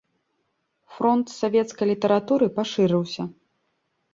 Фронт савецкай літаратуры пашырыўся.